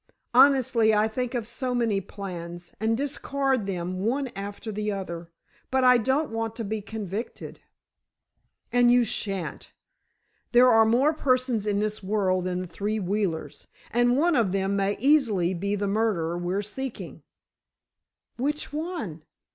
Honestly, I think of so many plans, and discard them one after the other. But I don't want to be convicted!" "And you shan't! There are more persons in this world than the three Wheelers! And one of them may easily be the murderer we're seeking." "Which one?"